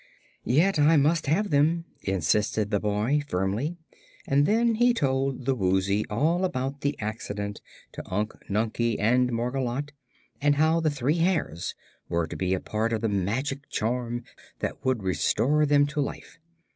"Yet I must have them," insisted the boy, firmly, and he then told the Woozy all about the accident to Unc Nunkie and Margolotte, and how the three hairs were to be a part of the magic charm that would restore them to life.